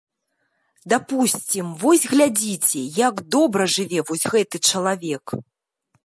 Дапусцім, вось глядзіце, як добра жыве вось гэты чалавек.